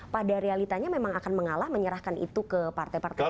pada realitanya memang akan mengalah menyerahkan itu ke partai partai lain